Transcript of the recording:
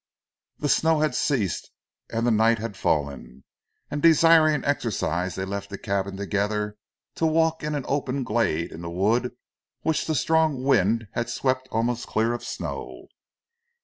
The snow had ceased and the night had fallen, and desiring exercise they left the cabin together to walk in an open glade in the wood which the strong wind had swept almost clear of snow.